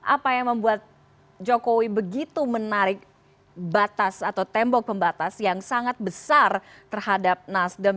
apa yang membuat jokowi begitu menarik batas atau tembok pembatas yang sangat besar terhadap nasdem